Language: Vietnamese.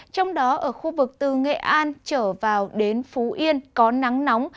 trong đó ở khu vực từ nghệ an trở vào đến phú yên có nắng nóng